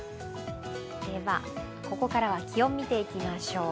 ここからは気温を見ていきましょう。